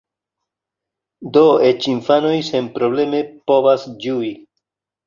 Do eĉ infanoj senprobleme povas ĝui.